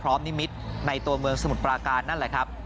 นิมิตรในตัวเมืองสมุทรปราการนั่นแหละครับ